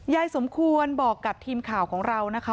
ยายสมควรบอกกับทีมข่าวของเรานะคะ